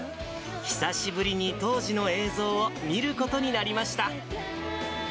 久しぶりに当時の映像を見ることになりました。